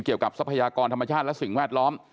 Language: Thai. ทรัพยากรธรรมชาติและสิ่งแวดล้อม